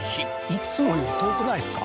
いつもより遠くないですか？